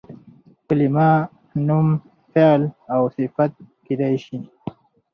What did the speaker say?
کلیمه نوم، فعل او صفت کېدای سي.